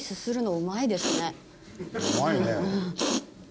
うまいね。